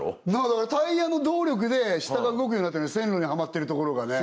だからタイヤの動力で下が動くようになってる線路にはまってるところがね